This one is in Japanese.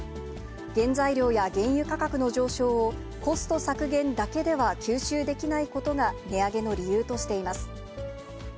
原材料や原油価格の上昇を、コスト削減だけでは吸収できないことが値上げの理由としています。